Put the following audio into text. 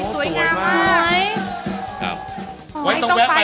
สวยงามมาก